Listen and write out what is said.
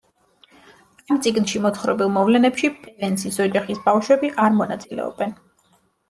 ამ წიგნში მოთხრობილ მოვლენებში პევენსის ოჯახის ბავშვები არ მონაწილეობენ.